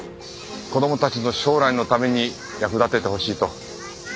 子どもたちの将来のために役立ててほしいと。